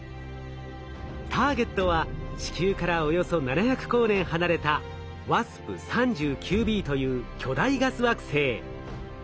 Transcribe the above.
ターゲットは地球からおよそ７００光年離れたＷＡＳＰ−３９ｂという巨大ガス惑星。